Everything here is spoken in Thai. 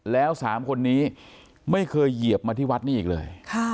แล้ว๓คนนี้ไม่เคยเหยียบมาที่วัดนี้อีกเลย